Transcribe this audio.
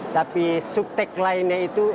tapi sub tek line nya itu